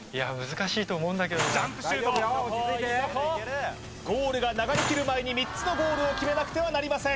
ジャンプシュートゴールが流れきる前に３つのゴールを決めなくてはなりません